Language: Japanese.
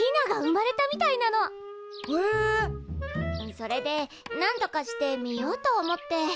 それでなんとかして見ようと思って。